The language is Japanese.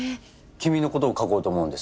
君の事を書こうと思うんです。